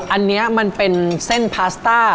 อาหารเป็นเส้นพาสต้า